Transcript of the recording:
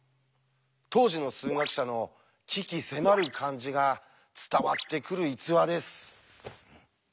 当時の数学者の鬼気迫る感じが伝わってくる逸話です。